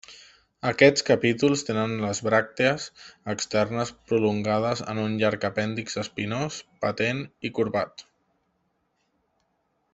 Aquests capítols tenen les bràctees externes prolongades en un llarg apèndix espinós, patent i corbat.